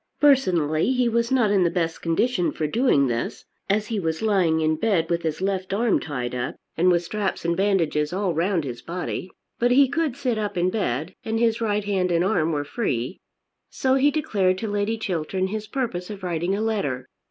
Personally he was not in the best condition for doing this as he was lying in bed with his left arm tied up, and with straps and bandages all round his body. But he could sit up in bed, and his right hand and arm were free. So he declared to Lady Chiltern his purpose of writing a letter.